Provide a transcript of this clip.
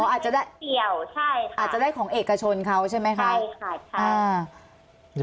อาจจะได้เกี่ยวใช่ค่ะอาจจะได้ของเอกชนเขาใช่ไหมคะใช่ค่ะใช่